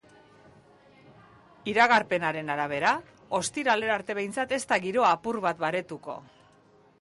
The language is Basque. Iragarpenaren arabera, ostiralera arte behintzat ez da giroa apur bat baretuko.